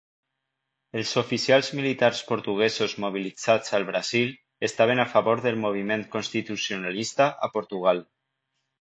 Els oficials militars portuguesos mobilitzats al Brasil estaven a favor del moviment constitucionalista a Portugal.